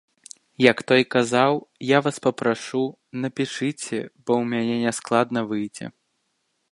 Як той казаў, я вас папрашу, напішыце, бо ў мяне няскладна выйдзе.